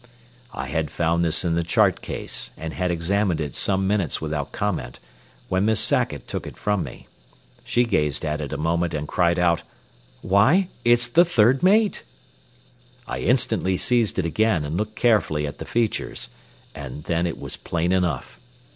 I had found this in the chart case and had examined it some minutes without comment, when Miss Sackett took it from me. She gazed at it a moment, and cried out, "Why! it's the third mate." I instantly seized it again and looked carefully at the features, and then it was plain enough.